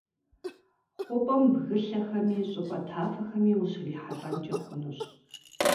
ХъупӀэм бгылъэхэми щӀыпӀэ тафэхэми ущрихьэлӀэнкӀэ хъунущ.